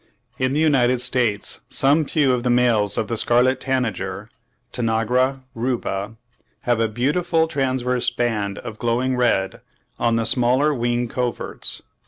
In the United States some few of the males of the scarlet tanager (Tanagra rubra) have "a beautiful transverse band of glowing red on the smaller wing coverts" (38.